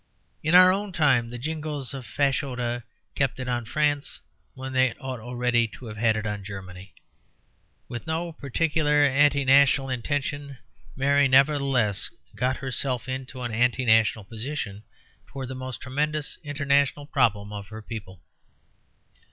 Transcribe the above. In our own time the Jingoes of Fashoda kept it on France when they ought already to have had it on Germany. With no particular anti national intention, Mary nevertheless got herself into an anti national position towards the most tremendous international problem of her people.